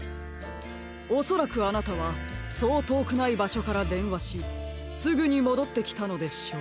おそらくあなたはそうとおくないばしょからでんわしすぐにもどってきたのでしょう。